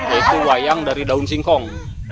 yaitu wayang dari daun singkong